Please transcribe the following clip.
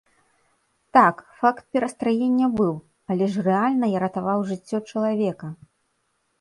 Так, факт перастраення быў, але ж рэальна я ратаваў жыццё чалавека!